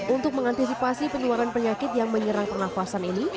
untuk mengantisipasi penularan penyakit yang menyerang pernafasan ini